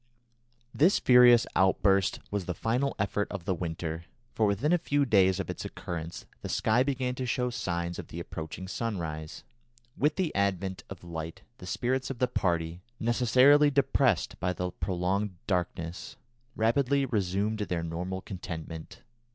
This furious outburst was the final effort of the winter, for within a few days of its occurrence the sky began to show signs of the approaching sunrise; with the advent of light the spirits of the party, necessarily depressed by the prolonged darkness, rapidly resumed their normal contentment.